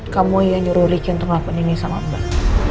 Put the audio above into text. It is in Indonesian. kamu yang nyuruh riki untuk ngelakuin ini sama mbak